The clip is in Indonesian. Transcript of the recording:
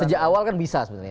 sejak awal kan bisa sebenarnya